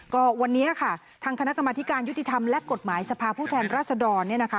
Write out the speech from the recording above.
ก็วันนี้ค่ะทางคณะกรรมธิการยุติธรรมและกฎหมายสภาพผู้แทนราชดรเนี่ยนะคะ